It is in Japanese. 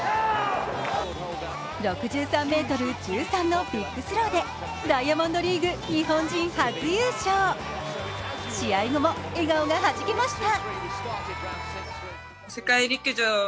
６３ｍ１３のビッグスローでダイヤモンドリーグ、日本人初優勝試合後も笑顔がはじけました。